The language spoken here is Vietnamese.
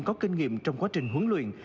có kinh nghiệm trong quá trình huấn luyện